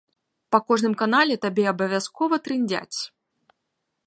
Па кожным канале табе абавязкова трындзяць!